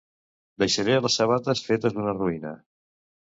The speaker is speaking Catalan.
Deixaré les sabates fetes una ruïna.